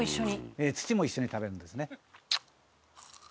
「ええ土も一緒に食べるんですね」